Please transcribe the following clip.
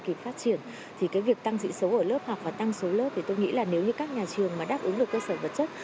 kịp phát triển thì cái việc tăng sĩ số ở lớp học và tăng số lớp thì tôi nghĩ là nếu như các nhà trường mà đáp ứng được cơ sở vật chất